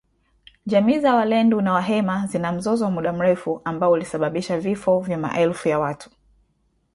Jamii za walendu na wahema zina mzozo wa muda mrefu ambao ulisababisha vifo vya maelfu ya watu